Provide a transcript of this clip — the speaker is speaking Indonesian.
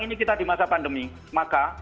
ini kita di masa pandemi maka